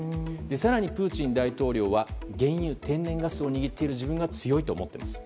更にプーチン大統領は原油、天然ガスを握っている自分が強いと思っています。